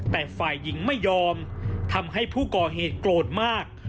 แต่ฝ่ายหญิงไม่ยอมทำให้ผู้ก่อเหตุโกรธมาก